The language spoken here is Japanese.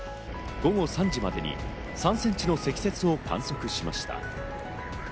午後３時までに３ｃｍの積雪を観測しました。